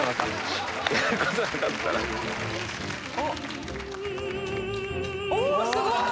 おすごい！